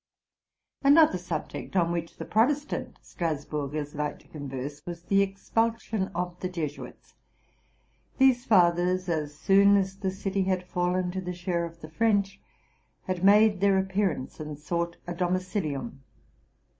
Another subject on which the Protestant Strasburgers liked to converse was the expulsion of the Jesuits. These fathers, as soon as the city had fallen to the share of the French, had made their appearance and sought a domicilium.